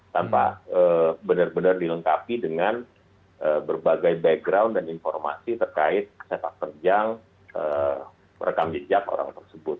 tanpa benar benar dilengkapi dengan berbagai background dan informasi terkait sepak terjang rekam jejak orang tersebut